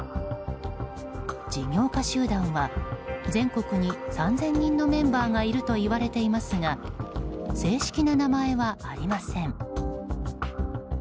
事業家集団は全国に３０００人のメンバーがいるといわれていますが正式な名前はありません。